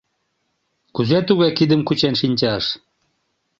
— Кузе туге кидым кучен шинчаш?